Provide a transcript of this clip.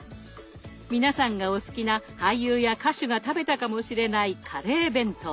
皆さんがお好きな俳優や歌手が食べたかもしれないカレー弁当。